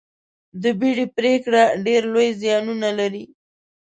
د بیړې پرېکړه ډېر لوی زیانونه لري.